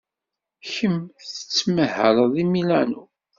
Kemm tettmahaled deg Milano.